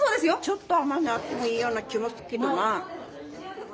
ちょっと甘みあってもいいような気もすっけどな。